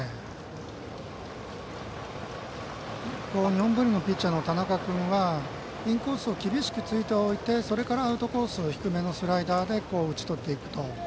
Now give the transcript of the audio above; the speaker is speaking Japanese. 日本文理のピッチャーの田中君はインコースを厳しく突いておいてそれからアウトコースの低めのスライダーで打ち取っていくと。